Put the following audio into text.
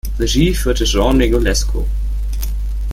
Regie führte Jean Negulesco.